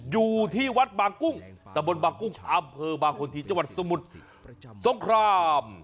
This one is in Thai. อยู่ที่วัดบางกุ้งตะบนบางกุ้งอำเภอบางคนที่จังหวัดสมุทรสงคราม